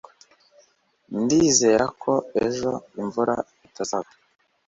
Ndizera ko ejo imvura itazagwa